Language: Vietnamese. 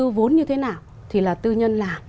từ vốn như thế nào thì là tư nhân là